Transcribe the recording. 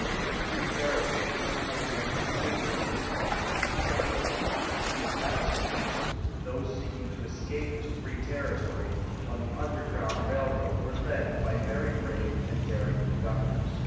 Reaching free territory sometimes meant escape from this country into Canada. Passengers, those seek ing to escape to free territory, on the "under ground railroad" were led by very brave and dar ing conductors.